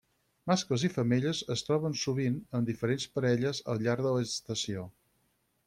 Mascles i femelles es troben sovint, amb diferents parelles al llarg de l'estació.